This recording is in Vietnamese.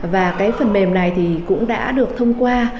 và phần mềm này cũng đã được thông qua